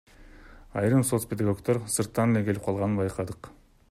Айрым соцпедагогдор сырттан эле келип калгандыгын байкадык.